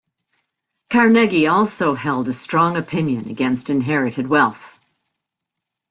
Carnegie also held a strong opinion against inherited wealth.